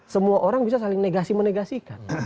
semua orang bisa saling negasi menegasikan